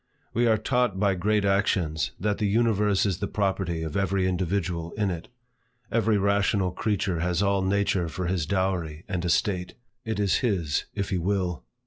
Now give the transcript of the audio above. We are taught by great actions that the universe is the property of every individual in it. Every rational creature has all nature for his dowry and estate. It is his, if he will.